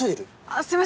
すいません。